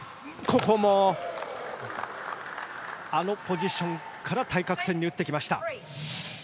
あのポジションから対角線に打ってきました。